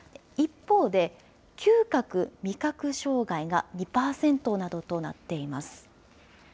一方で、嗅覚・味覚障害が２％などとなっています。